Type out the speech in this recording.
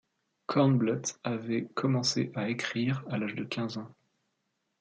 Kornbluth avait commencé à écrire à l'âge de quinze ans.